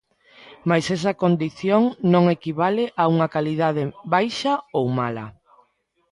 Mais esa condición non equivale a unha calidade baixa ou mala.